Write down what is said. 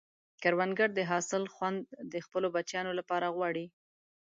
کروندګر د حاصل خوند د خپلو بچیانو لپاره غواړي